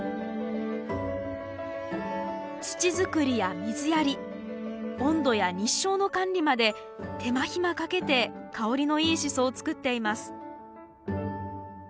土づくりや水やり温度や日照の管理まで手間暇かけて香りのいいシソを作っています。